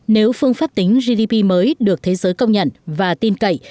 nếu phương pháp tính gdp mới được thế giới công nhận và tin cậy